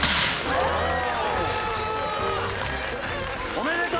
おめでとう！